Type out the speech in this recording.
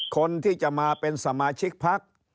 คนที่จะมาเป็นสมาชิกพัก